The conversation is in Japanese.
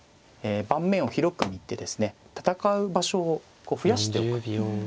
盤面を広く見てですね戦う場所を増やしておく。